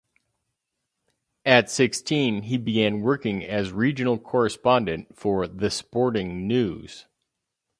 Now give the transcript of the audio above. At sixteen he began working as a regional correspondent for "The Sporting News".